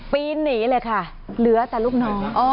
ปีนหนีเลยค่ะเหลือแต่ลูกน้อง